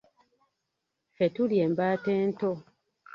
Ffe tuli embaata ento